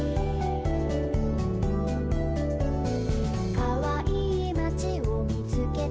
「かわいいまちをみつけたよ」